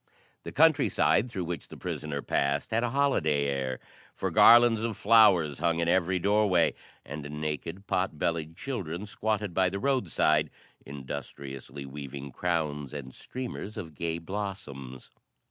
The country side through which the prisoner passed had a holiday air, for garlands of flowers hung in every doorway, and naked, pot bellied children squatted by the roadside, industriously weaving crowns and streamers of gay blossoms.